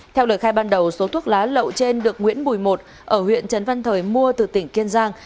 theo lời khai ban đầu số thuốc lá lậu trên được nguyễn bùi một ở huyện trần văn thời mua từ tỉnh kiên giang